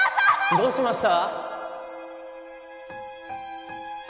どうしました？